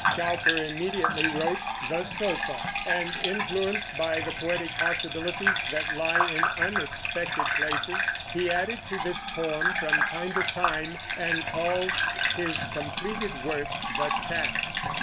Cowper immediately wrote "The Sofa," and, influenced by the poetic possibilities that lie in unexpected places, he added to this poem from time to time, and called his completed work The Task.